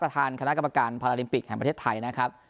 ประธานคณะกรรมการพาราลิมปิกแห่งประเทศไทยนะครับ